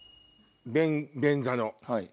便座の。